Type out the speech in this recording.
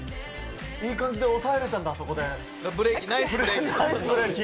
いい感じで抑えれたんだ、ブレーキ、ナイスブレーキ。